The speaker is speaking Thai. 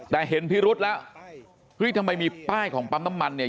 แต่เห็นพิรุษแล้วเฮ้ยทำไมมีป้ายของปั๊มน้ำมันเนี่ย